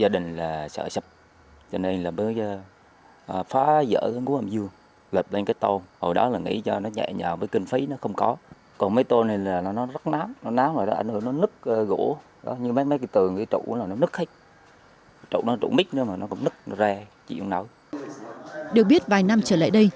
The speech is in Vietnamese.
được biết vài năm trở lại đây